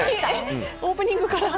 オープニングから。